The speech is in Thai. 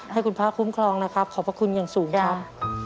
ให้คุณพระคุ้มครองนะครับขอบพระคุณอย่างสูงครับ